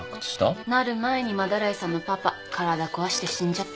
なる前に斑井さんのパパ体壊して死んじゃった。